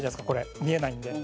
見えないんで。